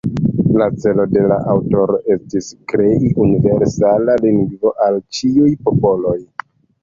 La celo de la aŭtoro estis krei universala lingvo al ĉiuj popoloj.